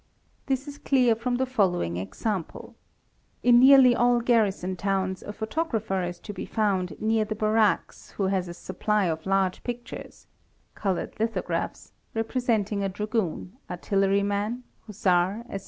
his is clear from the following example :—in nearly all garrist towns a photographer is to be found near the barracks who has a supp of large pictures (coloured lithographs) representing a dragoon, artiller man, hussar, etc.